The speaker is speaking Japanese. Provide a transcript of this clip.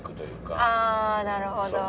あぁなるほど。